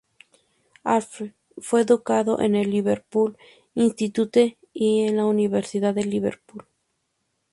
Alfred fue educado en el "Liverpool Institute" y en la Universidad de Liverpool.